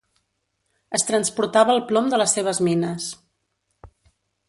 Es transportava el plom de les seves mines.